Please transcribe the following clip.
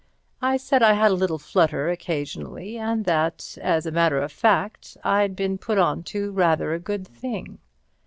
I said I had a little flutter occasionally, and that, as a matter of fact, I'd been put on to rather a good thing.